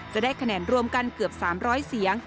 จะได้คะแนนรวมกันเกือบ๓๐๐เสียง